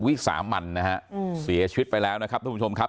วิสามันนะฮะเสียชีวิตไปแล้วนะครับทุกผู้ชมครับ